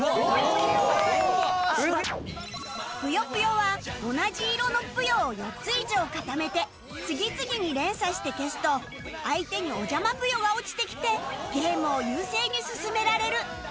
『ぷよぷよ』は同じ色のぷよを４つ以上固めて次々に連鎖して消すと相手におじゃまぷよが落ちてきてゲームを優勢に進められる